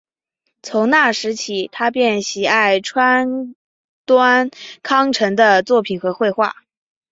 从那时起他便喜爱川端康成的作品和绘画。